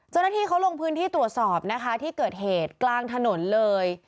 เจ้าหน้าที่เขาลงพื้นที่ตรวจสอบนะคะที่เกิดเหตุกลางถนนเลย